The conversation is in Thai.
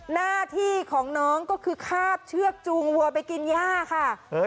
หน้าที่ของน้องก็คือคาบเชือกจูงวัวไปกินย่าค่ะ